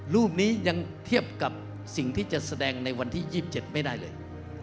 รูปนี้ยังเทียบกับสิ่งที่จะแสดงในวันที่๒๗ไม่ได้เลย